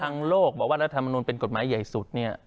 ทางโลกบอกว่ารัฐมนุนเป็นกฎหมายใหญ่สุดเนี่ย